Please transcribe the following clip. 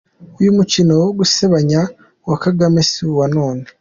Uyu mukino wo gusebanya wa Kagame si uwa none.